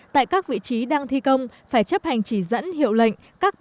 tại các vị trí đang thi công phải chấp hành chỉ dẫn hiệu lệnh